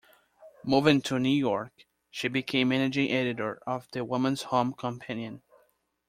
Moving to New York, she became managing editor of the "The Woman's Home Companion".